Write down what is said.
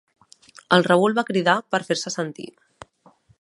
El Raül va cridar, per fer-se sentir.